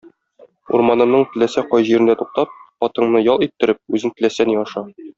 Урманымның теләсә кай җирендә туктап, атыңны ял иттереп, үзең теләсә ни аша.